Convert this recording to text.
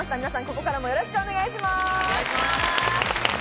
皆さん、ここからもよろしくお願いします。